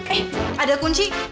eh ada kunci